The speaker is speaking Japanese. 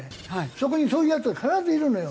そこにそういうヤツが必ずいるのよ。